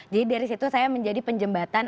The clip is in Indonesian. jadi dari situ saya menjadi penjembatan